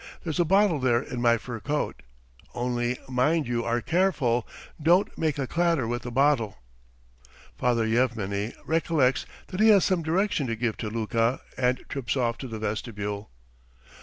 There's a bottle there in my fur coat. ... Only mind you are careful; don't make a clatter with the bottle." Father Yevmeny recollects that he has some direction to give to Luka, and trips off to the vestibule.